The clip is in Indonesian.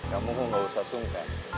kamu kok gak usah sungkan